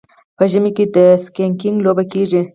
په ژمي کې د سکیینګ لوبه کیږي.